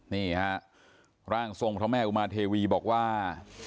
นี่ฮะร่างทรงพระแม่อุมาเทวีบอกว่า